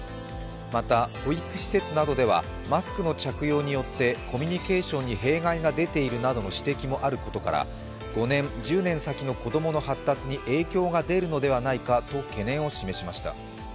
また、保育施設などではマスクの着用によってコミュニケーションに弊害が出ているなどの指摘もあることから５年、１０年先の子供の発達に影響が出るのではないかとの懸念を示しました。